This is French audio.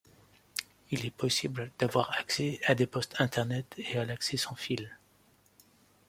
Il est possible d'avoir accès à des postes Internet et à l'accès sans-fil.